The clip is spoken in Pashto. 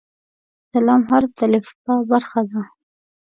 د "ل" حرف د الفبا برخه ده.